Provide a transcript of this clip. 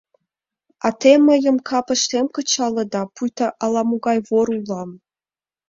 А те мыйым капыштем кычалыда, пуйто ала-могай вор улам!